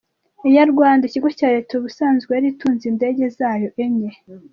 « Air Rwanda », ikigo cya Leta, ubusanzwe yari itunze indege zayo enye :